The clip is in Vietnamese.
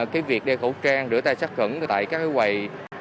cái việc đeo khẩu trang rửa tay sắc cứng tại các cái quầy